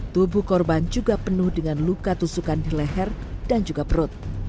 tubuh korban juga penuh dengan luka tusukan di leher dan juga perut